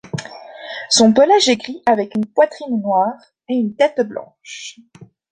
Son pelage est gris avec une poitrine noire et une tête blanche.